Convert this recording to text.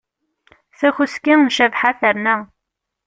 Takuski n Cabḥa terna.